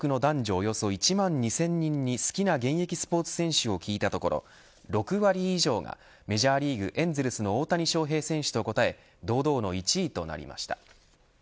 およそ１万２０００人に好きな現役スポーツ選手を聞いたところ６割以上がメジャーリーグ、エンゼルスの大谷翔平選手と答え堂々の１位となりました。